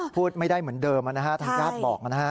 พูดไม่ได้เหมือนเดิมทางการ์ดบอกมัน